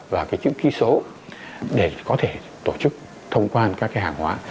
và cái chữ ký số để có thể tổ chức thông quan các cái hàng hóa